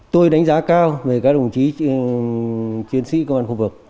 tôi đánh giá cao về các đồng chí chiến sĩ công an khu vực